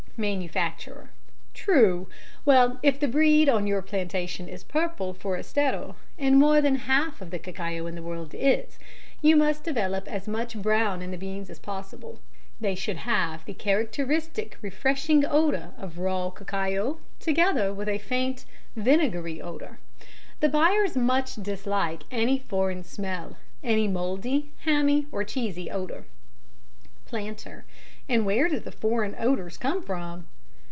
MANUFACTURER: True! Well, if the breed on your plantation is purple Forastero, and more than half of the cacao in the world is, you must develop as much brown in the beans as possible. They should have the characteristic refreshing odour of raw cacao, together with a faint vinegary odour. The buyers much dislike any foreign smell, any mouldy, hammy, or cheesy odour. PLANTER: And where do the foreign odours come from?